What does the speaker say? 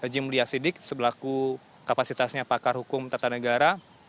jimli asyik sebelaku kapasitasnya pakar hukum tata negara